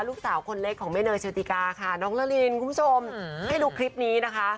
ลูกสาวคนเล็กของแม่เนยโชติกาค่ะน้องละลินคุณผู้ชมให้ดูคลิปนี้นะคะ